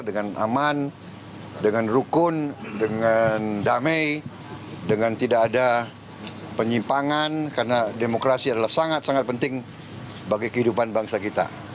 dengan aman dengan rukun dengan damai dengan tidak ada penyimpangan karena demokrasi adalah sangat sangat penting bagi kehidupan bangsa kita